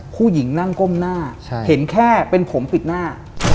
ผู้หญิงนั่งก้มหน้าเห็นแค่เป็นผมปิดหน้า